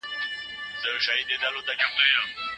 که ساینسي څېړنه وي، دواړه به ګډ کار کوي.